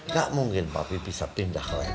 gak mungkin papi bisa pindah ke lain lain